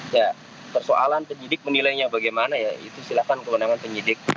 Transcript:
ya persoalan penyidik menilainya bagaimana ya itu silakan kewenangan penyidik